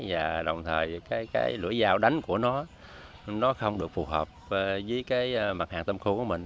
và đồng thời cái lưỡi dao đánh của nó nó không được phù hợp với cái mặt hàng tôm khô của mình